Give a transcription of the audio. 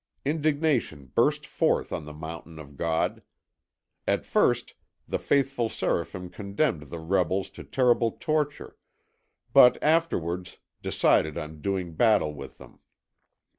Indignation burst forth on the Mountain of God. At first the faithful Seraphim condemned the rebels to terrible torture, but afterwards decided on doing battle with them.